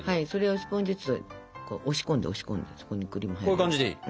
こういう感じでいい？